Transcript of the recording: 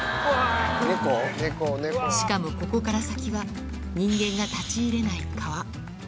しかもここから先は、人間が立ち入れない川。